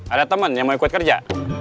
ada teman yang mau ikut kerja